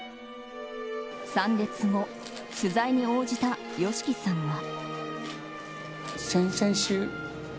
参列後、取材に応じたＹＯＳＨＩＫＩさんは。